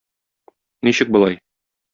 Ничек болай?